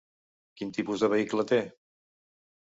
Quin tipus de vehicle té?